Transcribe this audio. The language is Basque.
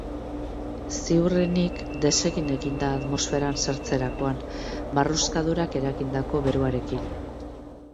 Ziurrenik desegin egin da atmosferan sartzerakoan marruskadurak eragindako beroarekin.